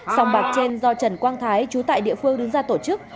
sòng bạc trên do trần quang thái chú tại địa phương đứng ra tổ chức